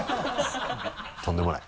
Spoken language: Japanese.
とんでもない。